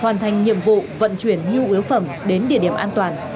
hoàn thành nhiệm vụ vận chuyển nhu yếu phẩm đến địa điểm an toàn